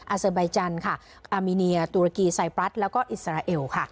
เซอร์ใบจันทร์ค่ะอามิเนียตุรกีไซปรัสแล้วก็อิสราเอลค่ะ